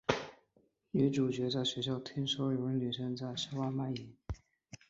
女主角在学校听说有女生在校外卖淫。